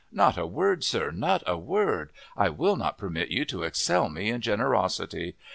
Not a word, sir, not a word! I will not permit you to excel me in generosity.